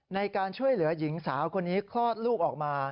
ในการช่วยเหลือหญิงสาวคนนี้คลอดลูกออกมา